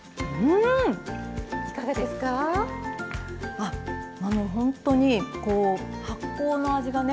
あのほんとにこう発酵の味がね